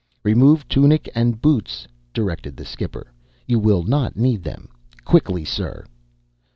"Rremove tunic and bootss," directed the skipper. "You will not need them. Quickly, ssirr!"